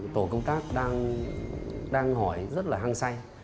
tổ công tác đang hỏi rất là hăng say